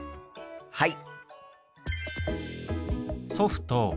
はい！